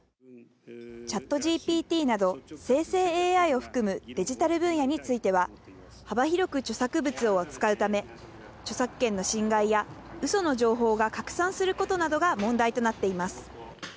ＣｈａｔＧＰＴなど生成ＡＩを含むデジタル分野については、幅広く著作物を扱うため、著作権の侵害やうその情報が拡散することなどが問題となっています。